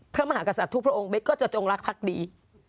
พระมหากษัตริย์ทุกพระองค์เล็กก็จะจงรักพักดี